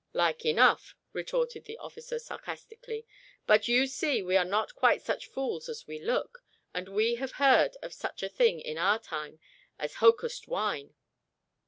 "Like enough," retorted the officer sarcastically. "But you see we are not quite such fools as we look; and we have heard of such a thing, in our time, as hocussed wine."